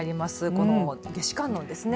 この夏至観音ですね。